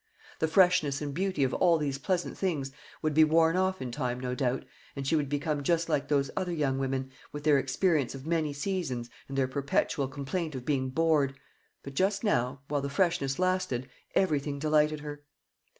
The freshness and beauty of all these pleasant things would be worn off in time, no doubt, and she would become just like those other young women, with their experience of many seasons, and their perpetual complaint of being bored; but just now, while the freshness lasted, everything delighted her.